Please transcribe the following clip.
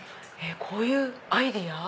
こういうアイデア